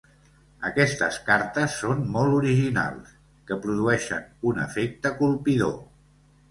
Aquestes cartes són molt originals, que produeixen un efecte colpidor.